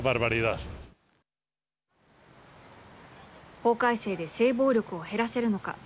法改正で性暴力を減らせるのか。